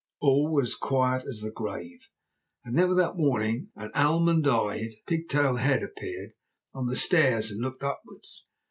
All was quiet as the grave. Then, without warning, an almond eyed, pigtailed head appeared on the stairs and looked upwards.